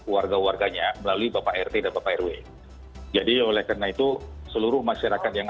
warga warganya melalui bapak rt dan bapak rw jadi oleh karena itu seluruh masyarakat yang